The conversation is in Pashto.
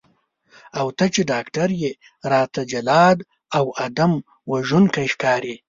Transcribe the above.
او ته چې ډاکټر یې راته جلاد او آدم وژونکی ښکارې.